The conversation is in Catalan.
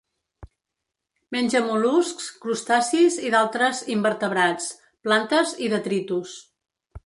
Menja mol·luscs, crustacis i d'altres invertebrats, plantes i detritus.